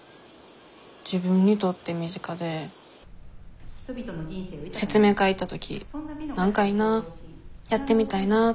自分にとって身近で説明会行った時何かいいなやってみたいなって思ったってくらい。